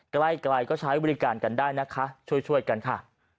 ใกล้ก็ใช้บริการกันได้นะคะช่วยกันค่ะ